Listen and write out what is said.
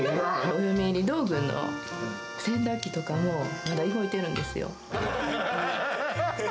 お嫁入り道具の洗濯機とかも、まだ動いてるんですよ。